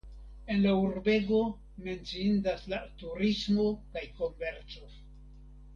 En la urbego menciindas la turismo kaj komerco.